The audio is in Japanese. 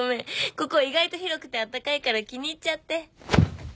ここ意外と広くてあったかいから気に入っちゃって。